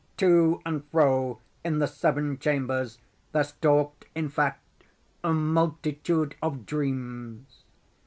To and fro in the seven chambers there stalked, in fact, a multitude of dreams.